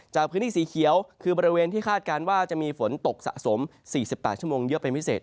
จากพื้นที่สีเขียวคือบริเวณที่คาดการณ์ว่าจะมีฝนตกสะสม๔๘ชั่วโมงเยอะเป็นพิเศษ